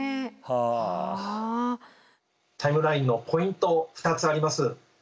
タイムラインのポイント２つあります。